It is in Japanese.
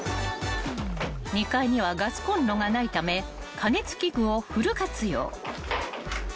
［２階にはガスコンロがないため加熱器具をフル活用］